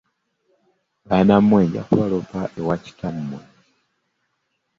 Baana mmwe nja kubaloopa ewa kitammwe.